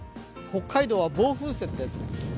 北海道は暴風雪です。